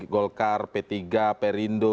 golkar p tiga perindo